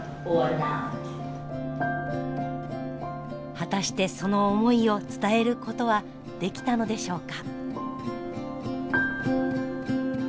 果たしてその思いを伝えることはできたのでしょうか。